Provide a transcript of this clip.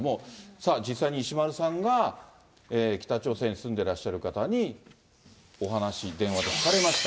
さあ、実際に石丸さんが北朝鮮に住んでらっしゃる方にお話、電話で聞かれました。